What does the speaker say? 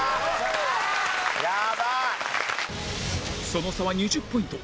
その差は２０ポイント